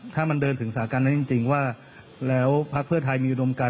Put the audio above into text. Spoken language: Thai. ถ้ามันเดินถึงสาการนั้นจริงว่าแล้วพักเพื่อไทยมีอุดมการ